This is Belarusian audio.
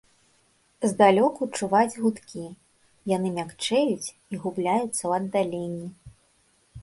Здалёку чуваць гудкі, яны мякчэюць і губляюцца ў аддаленні.